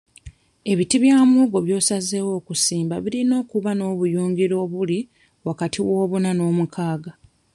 Ebiti bya muwogo by'osazeewo okusimba birina okuba n'obuyungiro obuli wakati w'obuna n'omukaaga.